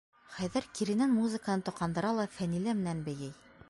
Хәйҙәр киренән музыканы тоҡандыра ла Фәнилә менән бейей.